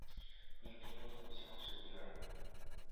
应天府乡试第二名。